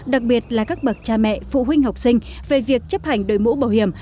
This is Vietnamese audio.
đặc biệt là các bậc cha mẹ phụ huynh học sinh về việc chấp hành đội mũ bảo hiểm